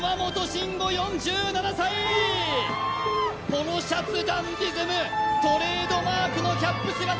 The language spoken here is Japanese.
ポロシャツダンディズムトレードマークのキャップ姿